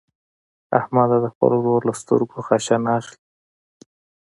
احمده د خپل ورور له سترګو خاشه نه اخلي.